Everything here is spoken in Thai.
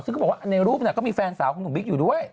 ซึ่งก็บอกว่าในรูปก็มีแฟนสาวของหนุ่มบิ๊กอยู่ด้วย